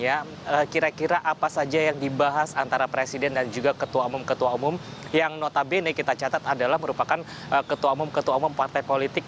ya kira kira apa saja yang dibahas antara presiden dan juga ketua umum ketua umum yang notabene kita catat adalah merupakan ketua umum ketua umum partai politik